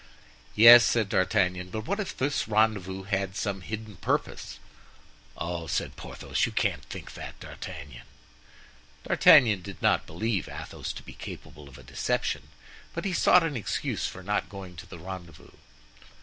"Yes," said D'Artagnan; "but what if this rendezvous had some hidden purpose?" "Oh!" said Porthos, "you can't think that, D'Artagnan!" D'Artagnan did not believe Athos to be capable of a deception, but he sought an excuse for not going to the rendezvous.